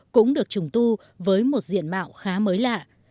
cũng được trùng tu với một diện mạo khá mới lạ